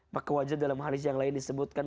maka wajar dalam hadis yang lain disebutkan